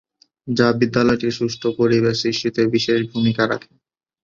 যা বিদ্যালয়টির সুষ্ঠু পরিবেশ সৃষ্টিতে বিশেষ ভূমিকা রাখে।